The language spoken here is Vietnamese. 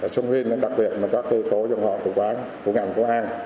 sông hinh đặc biệt mình có cơ hội tổ dung họ tự quán của ngành công an